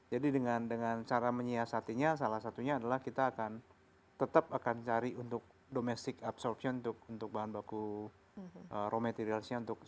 jadi dengan cara menyiasatinya salah satunya adalah kita akan tetap akan cari untuk domestic absorpsion untuk bahan baku raw materialnya untuk